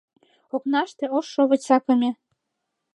Окнаште ош шовыч сакыме.